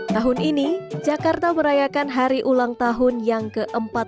tahun ini jakarta merayakan hari ulang tahun yang ke empat puluh lima